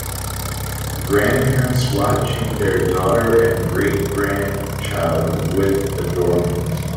Grandparents watching their daughter and great grandchild with adornment.